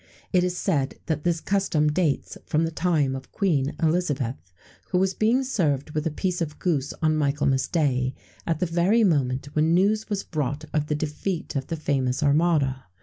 It is said that this custom dates from the time of Queen Elizabeth, who was being served with a piece of goose on Michaelmas Day, at the very moment when news was brought of the defeat of the famous Armada.